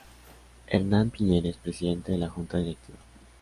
Hernán Piñeres: Presidente de la Junta Directiva.